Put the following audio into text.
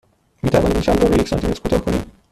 می توانید این شلوار را یک سانتی متر کوتاه کنید؟